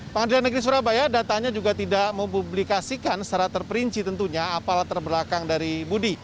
pangadilan negeri surabaya datanya juga tidak memublikasikan secara terperinci tentunya apalater belakang dari budi